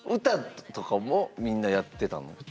歌とかもみんなやってたの？